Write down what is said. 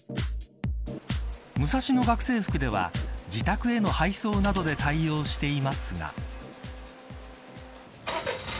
ムサシノ学生服では自宅への配送などで対応していますが。